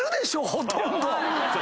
ほとんど。